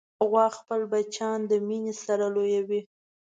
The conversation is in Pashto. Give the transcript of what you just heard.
غوا خپل بچیان د مینې سره لویوي.